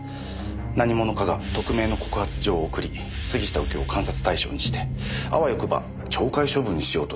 何者かが匿名の告発状を送り杉下右京を監察対象にしてあわよくば懲戒処分にしようと狙っている。